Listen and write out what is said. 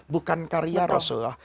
bukan karya rasulullah